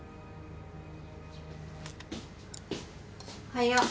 おはよう。